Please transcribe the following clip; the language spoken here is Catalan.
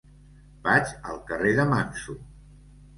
Vaig al carrer de Manso.